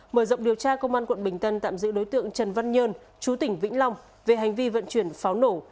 mở rộng điều tra công an quận bình tân tạm giữ đối tượng trần văn nhơn chú tỉnh vĩnh long về hành vi vận chuyển pháo nổ